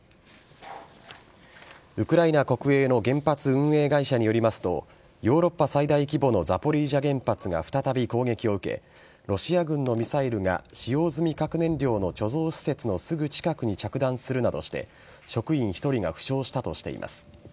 ウクライナ国営の原発運営会社によりますと、ヨーロッパ最大規模のザポリージャ原発が再び攻撃を受け、ロシア軍のミサイルが使用済み核燃料の貯蔵施設のすぐ近くに着弾するなどして、職員１人が負傷したとしています。